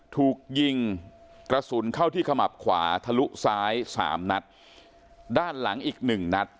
ถูกยิงกระสุนเข้าที่ขมับขวาทะลุซ้ายสามนัดด้านหลังอีกหนึ่งนัด